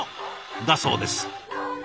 だそうです。